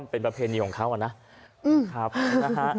เพื่อให้ลดในเรื่องของการเกิดเหมาะความ